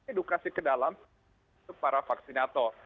edukasi ke dalam para vaksinator